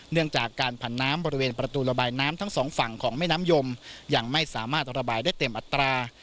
เนื่องจากการผันน้ำบริเวณประตูระบายน้ำทั้งสองฝั่งของแม่น้ำยมยังไม่สามารถระบายได้เต็มอัตรา